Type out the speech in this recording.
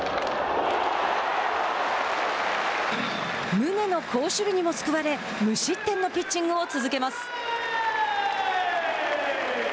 宗の好守備にも救われ無失点のピッチングを続けます。